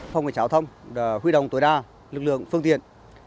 phong quyền tráo thông huy động tối đa lực lượng phương tiện